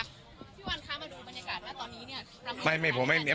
พี่วันคะมาดูบรรยากาศนะตอนนี้เนี่ย